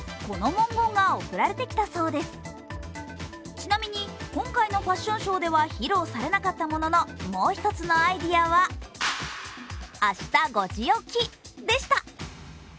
ちなみに今回のファッションショーでは披露されなかったもののもう一つのアイディアは「明日５時起き」でした。